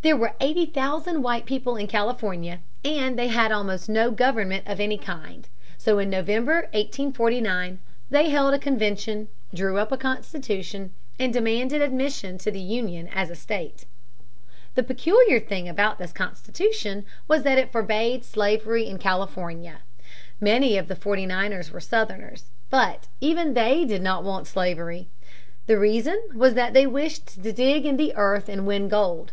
There were eighty thousand white people in California, and they had almost no government of any kind. So in November, 1849, they held a convention, drew up a constitution, and demanded admission the Union as a state. The peculiar thing about this constitution was that it forbade slavery in California. Many of the Forty Niners were Southerners. But even they did not want slavery. The reason was that they wished to dig in the earth and win gold.